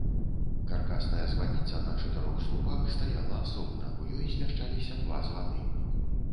Каркасная званіца на чатырох слупах стаяла асобна, у ёй змяшчаліся два званы.